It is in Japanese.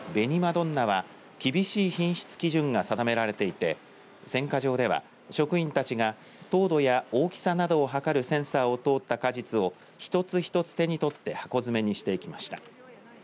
どんなは厳しい品質基準が定められていて選果場では職員たちが糖度や大きさなどを測るセンサーを通った果実を一つ一つ手に取って箱詰めにしていきました。